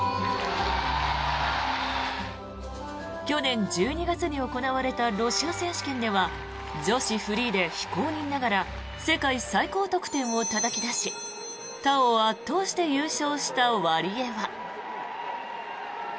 去年１２月に行われたロシア選手権では女子フリーで非公認ながら世界最高得点をたたき出し他を圧倒して優勝したワリエワ。